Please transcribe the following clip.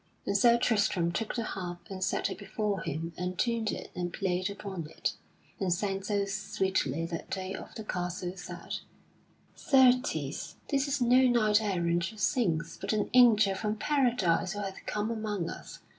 And Sir Tristram took the harp and set it before him and tuned it and played upon it, and sang so sweetly that they of the castle said: "Certes, this is no knight errant who sings, but an angel from Paradise who hath come among us.